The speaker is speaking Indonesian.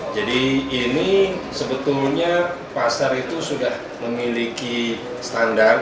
jadi ini sebetulnya pasar itu sudah memiliki standar